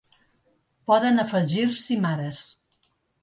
Poden afegir-s'hi mares.